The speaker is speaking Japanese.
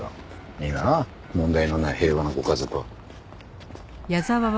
いいなあ問題のない平和なご家族は。